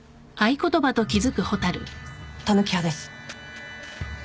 タヌキ派です。